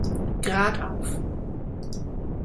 Grad auf.